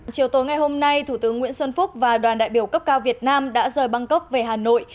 chiều tối ngày hôm nay thủ tướng nguyễn xuân phúc và đoàn đại biểu cấp cao việt nam đã rời bangkok về hà nội